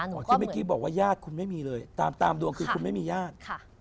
นะฮิบบอกว่าย่านคุณไม่มีเลยตามดวงคือคุณไม่มีย่าน